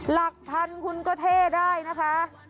หลักพันคุณก็เท่ได้นะคะ